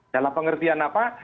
dalam pengertian apa